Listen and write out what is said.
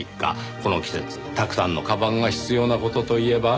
この季節たくさんのカバンが必要な事といえば？